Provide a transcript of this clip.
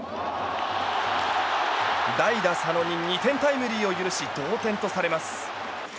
代打・佐野に２点タイムリーを許し同点とされます。